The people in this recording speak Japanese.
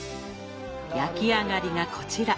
焼き上がりがこちら。